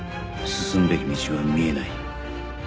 進むべき道は見えない